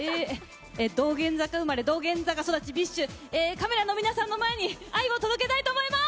道玄坂生まれ、道玄坂育ちＢｉＳＨ、カメラの皆さんの前に愛を届けたいと思います。